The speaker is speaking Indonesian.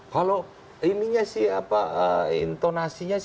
kalau intonasinya sih agak